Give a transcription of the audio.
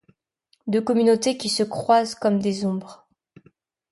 Deux communautés qui se croisent comme des ombres.